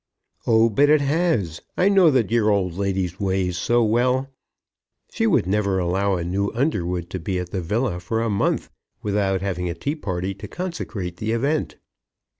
"Oh, but it has. I know the dear old lady's ways so well! She would never allow a new Underwood to be at the villa for a month without having a tea party to consecrate the event."